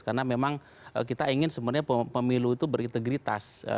karena memang kita ingin sebenarnya pemilu itu berintegritas